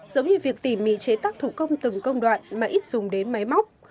giống như việc tỉ mỉ chế tác thủ công từng công đoạn mà ít dùng đến máy móc